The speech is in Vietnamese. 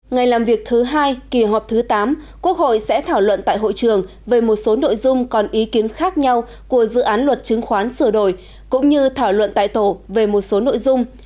ngày làm việc thứ hai kỳ họp thứ tám quốc hội sẽ thảo luận tại hội trường về một số nội dung còn ý kiến khác nhau của dự án luật chứng khoán sửa đổi cũng như thảo luận tại tổ về một số nội dung